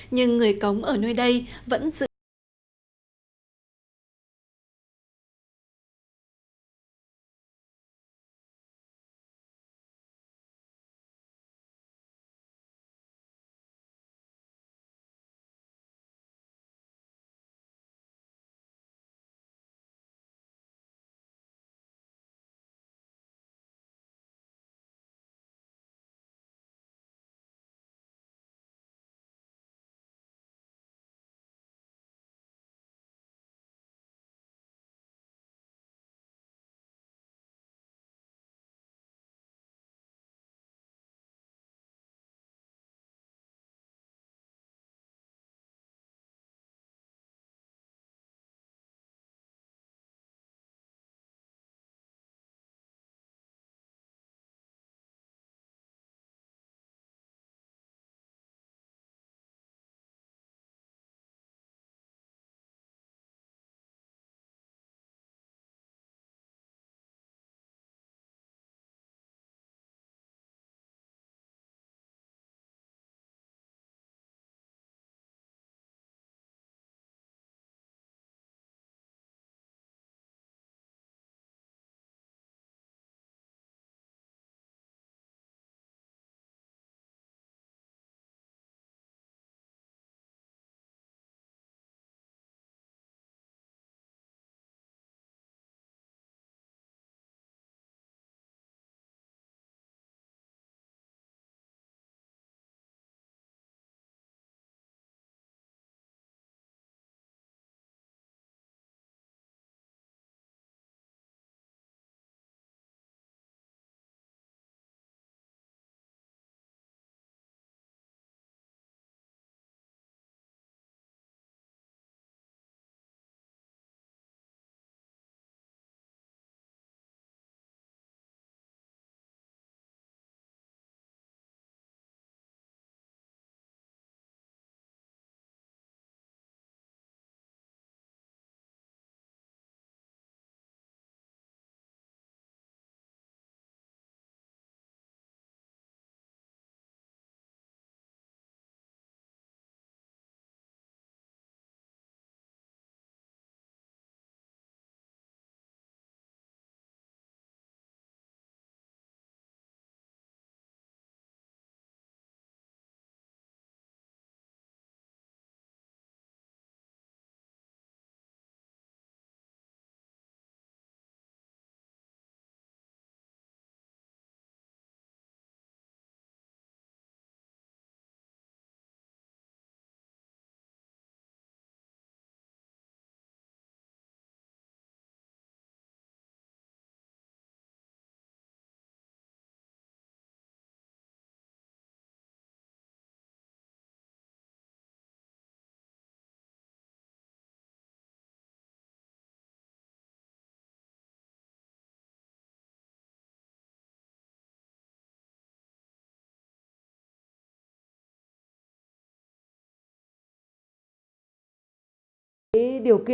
nhưng người cống ở nơi đây vẫn giữ